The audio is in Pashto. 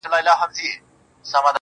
• زموږ وطن كي اور بل دی.